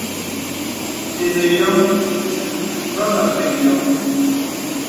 Tənə yɔ̄m və̄ mə̀ pək yɔŋ.